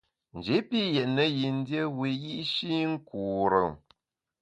Nji pi yètne yin dié wiyi’shi nkure.